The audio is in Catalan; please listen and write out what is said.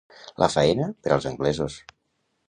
La faena, per als anglesos.